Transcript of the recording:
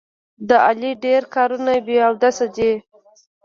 د علي ډېر کارونه بې اودسه دي.